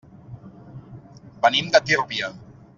Venim de Tírvia.